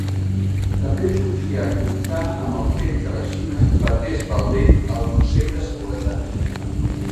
També podia comptar amb el fet que la Xina vetés Waldheim al consell de seguretat.